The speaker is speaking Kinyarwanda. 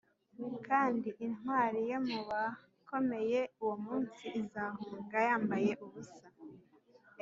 kandi intwari yo mu bakomeye uwo munsi izahunga yambaye ubusa.”